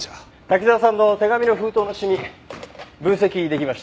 滝沢さんの手紙の封筒のシミ分析出来ました。